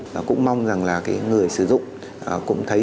và cũng mong rằng là cái người sử dụng cũng thấy